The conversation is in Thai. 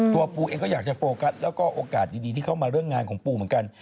ปูเองก็อยากจะโฟกัสแล้วก็โอกาสดีที่เข้ามาเรื่องงานของปูเหมือนกัน